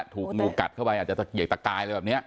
ถูกงูกัดเข้าไปอาจจะตะเกียกตะกายอะไรแบบนี้